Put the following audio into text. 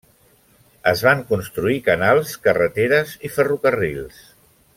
Es van construir canals, carreteres i ferrocarrils.